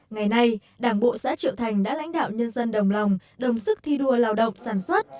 ngày nay đảng bộ xã triệu thành đã lãnh đạo nhân dân đồng lòng đồng sức thi đua lao động sản xuất